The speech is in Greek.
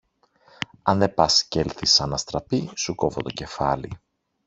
Αν δεν πας κι έλθεις σαν αστραπή, σου κόβω το κεφάλι!